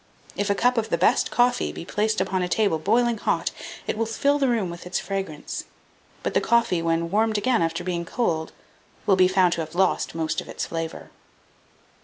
If a cup of the best coffee be placed upon a table boiling hot, it will fill the room with its fragrance; but the coffee, when warmed again after being cold, will be found to have lost most of its flavour.